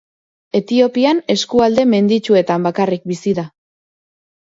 Etiopian, eskualde menditsuetan bakarrik bizi da.